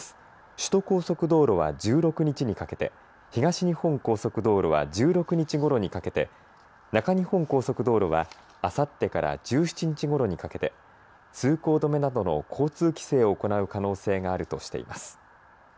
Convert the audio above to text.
首都高速道路は１６日にかけて東日本高速道路は１６日ごろにかけて中日本高速道路はあさってから１７日ごろにかけて通行止めなどの交通規制を行う可能性があるとしています。